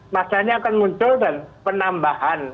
masanya akan muncul dan penambahan